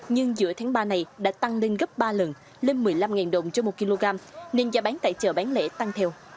nhưng giữa tháng ba này đã tăng lên gấp ba lần lên một mươi năm đồng trên một kg nên giá bán tại chợ bán lẻ tăng theo